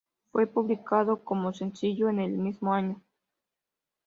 Fue publicado como sencillo en el mismo año.